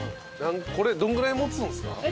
これどんぐらい持つんすか？